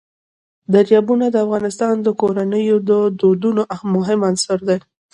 دریابونه د افغان کورنیو د دودونو مهم عنصر دی.